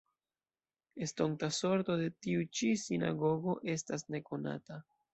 Estonta sorto de tiu ĉi sinagogo estas nekonata.